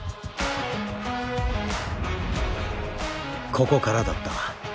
ここからだった。